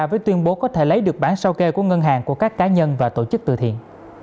với tuyên bố có thể lấy được bản sao kê của ngân hàng của các cá nhân và tổ chức từ thiện